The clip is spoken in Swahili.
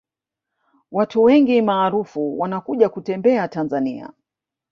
watu wengi maarufu wanakuja kutembea tanzania